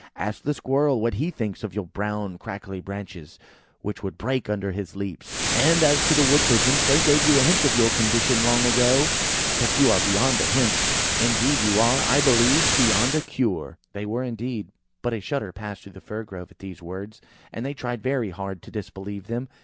Ask the Squirrel what he thinks of your brown crackly branches, which would break under his leaps. And as to the Wood pigeons, they gave you a hint of your condition long ago. But you are beyond a hint. Indeed, you are, I believe, beyond a cure." They were, indeed; but a shudder passed through the Fir grove at these words, and they tried very hard to disbelieve them.